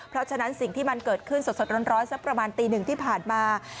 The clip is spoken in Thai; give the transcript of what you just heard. เพราะฉะนั้นสิ่งที่มันเกิดขึ้นสดร้อนสักประมาณตีหนึ่งที่ผ่านมา